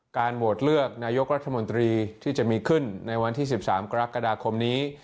โหวตเลือกนายกรัฐมนตรีที่จะมีขึ้นในวันที่๑๓กรกฎาคมนี้